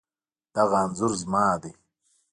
دغه انځور زما دی